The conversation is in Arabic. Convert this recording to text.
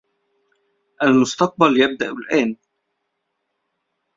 المستقبل يبدأ الآن.